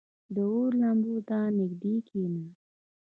• د اور لمبو ته نږدې کښېنه.